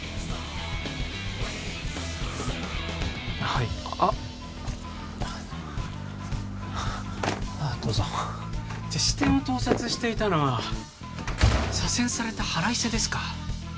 はいあどうぞじゃ支店を盗撮していたのは左遷された腹いせですか？